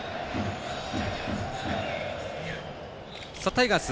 タイガース